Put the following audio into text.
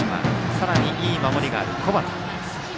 さらに、いい守りがある小畑。